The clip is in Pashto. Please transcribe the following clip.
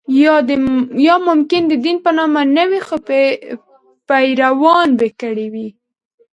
یا ممکن د دین په نامه نه وي خو پیروانو به کړې وي.